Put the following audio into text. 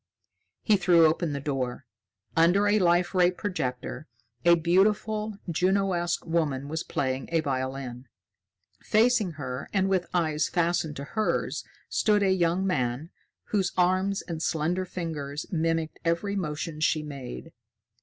He threw open the door. Under a Life Ray projector, a beautiful, Juno esque woman was playing a violin. Facing her, and with eyes fastened to hers, stood a young man, whose arms and slender fingers mimicked every motion she made.